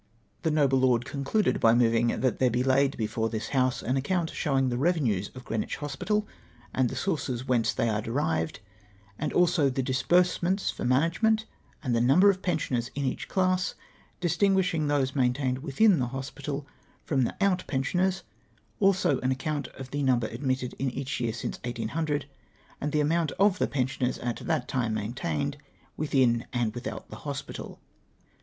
Tlie noble lord concluded by moving, ' That there be laid before this House an account showing the revenues of Cfreenwich Hospital and the sources whence they are derived, also the disbursements fjr manage ment and the number of pensioners in eacli class ; distin guishing those maintained witliin the hospital from the out pensioners ; also an account of the number admitted in each year since 1800, and the amount of the pensioners at tliat time maintained within and without tlie hospital.'